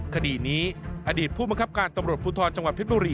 คดีนี้อดีตผู้มังคับการตำรวจภูทรจังหวัดเพชรบุรี